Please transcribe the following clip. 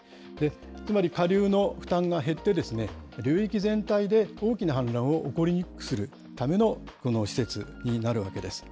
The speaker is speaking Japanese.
つまり下流の負担が減って、流域全体で大きな氾濫を起こりにくくするためのこの施設になるわけです。